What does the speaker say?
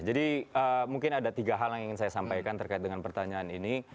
jadi mungkin ada tiga hal yang ingin saya sampaikan terkait dengan pertanyaan ini